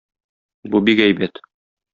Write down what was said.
Бу бик әйбәт.